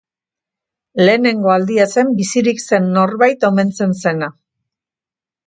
Lehenengo aldia zen bizirik zen norbait omentzen zena.